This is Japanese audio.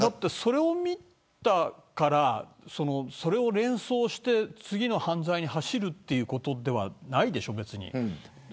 それを見たから連想して次の犯罪に走るということではないでしょう。